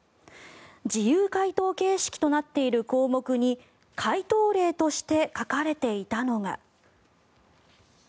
自由回答形式となっている項目に回答例として書かれていたのが。